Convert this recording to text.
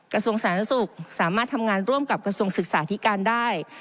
กระทรวงสาธารณสุขสามารถทำงานร่วมกับกระทรวงศึกษาธิการได้